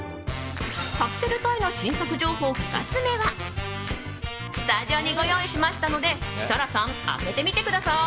カプセルトイの新作情報２つ目はスタジオにご用意しましたので設楽さん、開けてみてください。